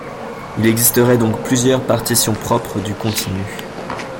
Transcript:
Il existerait donc plusieurs partitions propres du continu.